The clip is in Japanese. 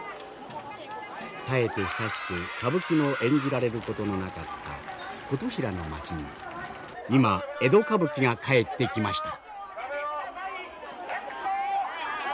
絶えて久しく歌舞伎の演じられることのなかった琴平の町に今江戸歌舞伎が帰ってきました。